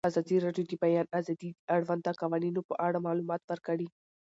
ازادي راډیو د د بیان آزادي د اړونده قوانینو په اړه معلومات ورکړي.